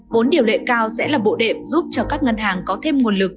vốn điều lệ cao sẽ là bộ đệm giúp cho các ngân hàng có thêm nguồn lực